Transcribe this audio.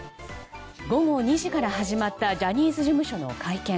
午後２時から始まったジャニーズ事務所の会見。